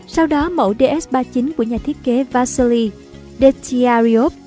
sau đó mẫu ds ba mươi chín của nhà thiết kế vasily detyaryov